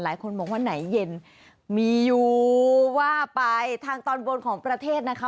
หลายคนบอกว่าไหนเย็นมีอยู่ว่าไปทางตอนบนของประเทศนะคะ